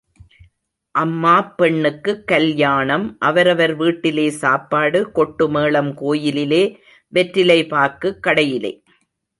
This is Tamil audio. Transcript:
அம்மாப் பெண்ணுக்குக் கல்யாணம் அவரவர் வீட்டிலே சாப்பாடு கொட்டு மேளம் கோயிலிலே, வெற்றிலை பாக்குக் கடையிலே.